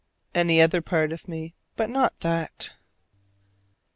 Any other part of me, but not that.